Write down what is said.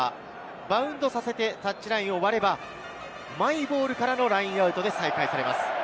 バウンドさせてタッチラインを割ればマイボールからのラインアウトで再開されます。